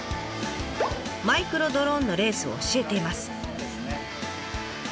マイクロドローンのレースを教えています。